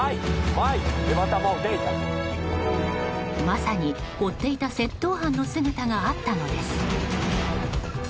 まさに追っていた窃盗犯の姿があったのです。